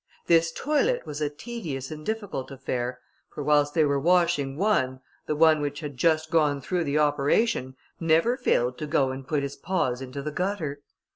This toilet was a tedious and difficult affair, for whilst they were washing one, the one which had just gone through the operation, never failed to go and put his paws into the gutter.